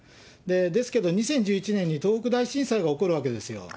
ですけど、２０１１年に東北大震災が起こるわけですよ。